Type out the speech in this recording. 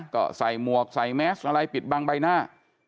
ก็ใส่หมวกใส่แมสอะไรปิดบังใบหน้า